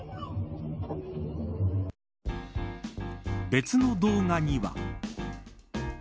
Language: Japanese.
別の動画には。